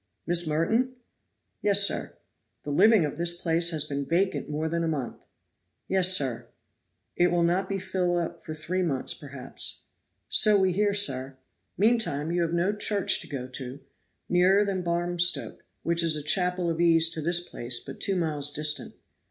"Miss Merton?" "Yes, sir." "The living of this place has been vacant more than a month." "Yes, sir." "It will not be filled up for three months, perhaps." "So we hear, sir." "Meantime you have no church to go to nearer than Barmstoke, which is a chapel of ease to this place, but two miles distant."